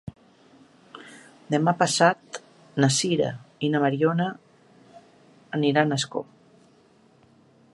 Demà passat na Sira i na Mariona iran a Ascó.